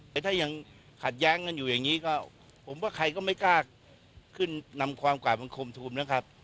แต่ถ้ายังขัดแย้งกันอยู่อย่างนี้ก็ผมว่าใครก็ไม่กล้าขึ้นนำความกราบบังคมทูมนะครับ